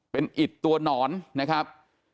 เป็นอิดตัวหนอนนะครับ